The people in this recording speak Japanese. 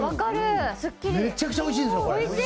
めちゃくちゃおいしいでしょう。